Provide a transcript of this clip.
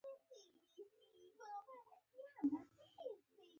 خدای په طالبانو په وخت کې پراخه روزي او موټر پرې ولورول.